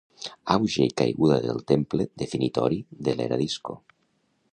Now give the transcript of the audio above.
Auge i caiguda del temple definitori de l’era disco.